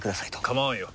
構わんよ。